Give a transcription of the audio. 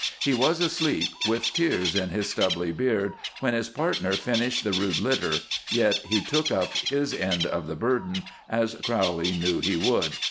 He was asleep, with tears in his stubbly beard, when his partner finished the rude litter, yet he took up his end of the burden, as Crowley knew he would.